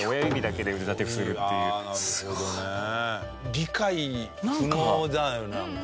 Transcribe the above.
理解不能だよねなんか。